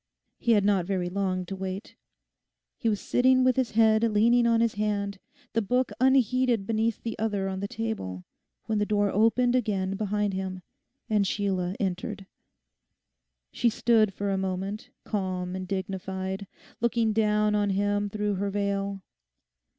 He had not very long to wait. He was sitting with his head leaning on his hand, the book unheeded beneath the other on the table, when the door opened again behind him, and Sheila entered. She stood for a moment, calm and dignified, looking down on him through her veil.